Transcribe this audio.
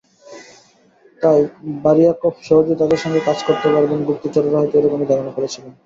তাই বারিয়াকভ সহজেই তাঁদের সঙ্গে কাজ করতে পারবেন—গুপ্তচরেরা হয়তো এরকমই ধারণা করেছিলেন।